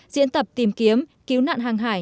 diễn tập tìm kiếm cứu nạn hàng hải